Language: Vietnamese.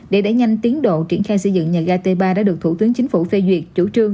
để đẩy nhanh tiến độ triển khai xây dựng nhà ga t ba đã được thủ tướng chính phủ phê duyệt chủ trương